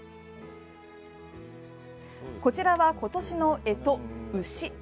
こちらは今年のえと、牛。